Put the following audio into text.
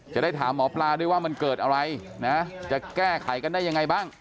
จะได้ถามหมอปลาด้วยว่ามันเกิดอะไรนะจะแก้ไขกันได้ยังไงบ้าง